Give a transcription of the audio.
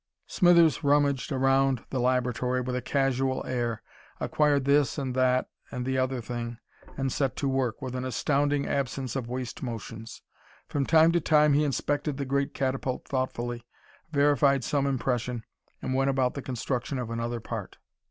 Smithers rummaged around the laboratory with a casual air, acquired this and that and the other thing, and set to work with an astounding absence of waste motions. From time to time he inspected the great catapult thoughtfully, verified some impression, and went about the construction of another part.